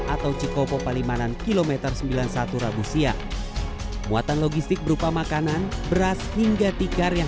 atau cikopo palimanan kilometer sembilan puluh satu rabu siang muatan logistik berupa makanan beras hingga tikar yang